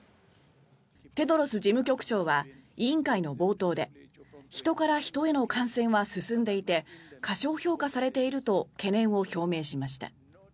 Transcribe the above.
テドロス事務局長は委員会の冒頭で人から人への感染は進んでいて過小評価されていると懸念を表明しました。